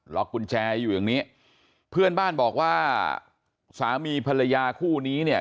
กุญแจอยู่อย่างนี้เพื่อนบ้านบอกว่าสามีภรรยาคู่นี้เนี่ย